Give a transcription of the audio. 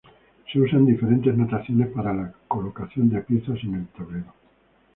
Se usan diferentes notaciones para la colocación de piezas en el tablero.